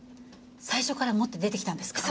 最初から持って出てきたんですか？